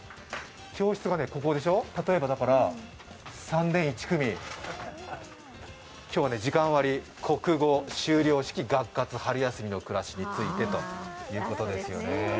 教室がここでしょ、例えば３年１組、今日は、時間割、国語、修了式、学活、春休みの暮らしについてということですね。